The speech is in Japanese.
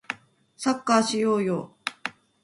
サッカーしようよ